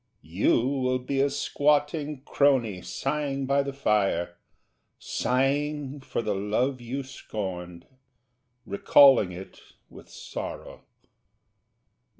You will be a squatting crony sighing by the fire, Sighing for the love you scorned, recalling it with sorrow.